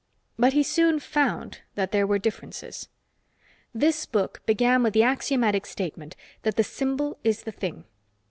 But he soon found that there were differences. This book began with the axiomatic statement that the symbol is the thing.